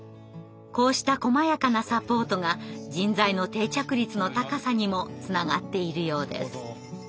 こうしたこまやかなサポートが人材の定着率の高さにもつながっているようです。